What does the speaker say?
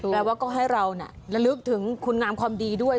แปลว่าก็ให้เราระลึกถึงคุณงามความดีด้วย